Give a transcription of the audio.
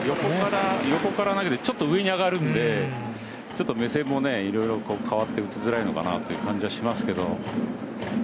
横から投げてちょっと上に上がるんで目線もいろいろ変わって打ちづらいのかなという感じはしますけど。